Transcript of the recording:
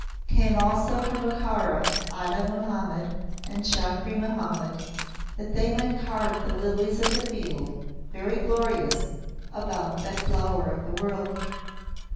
Came also, from Bokhara, Ata Muhammad and Shakri Muhammad, that they might carve the lilies of the field, very glorious, about that Flower of the World.